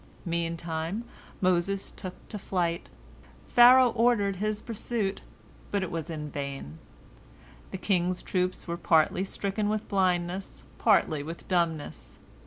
Meantime Moses took to flight. Pharaoh ordered his pursuit, but it was in vain. The king's troops were partly stricken with blindness partly with dumbness.